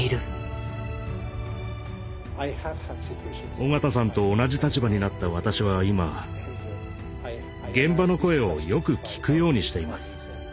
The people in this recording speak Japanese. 緒方さんと同じ立場になった私は今現場の声をよく聞くようにしています。